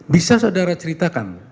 bisa saudara ceritakan